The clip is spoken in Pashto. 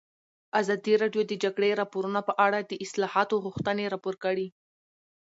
ازادي راډیو د د جګړې راپورونه په اړه د اصلاحاتو غوښتنې راپور کړې.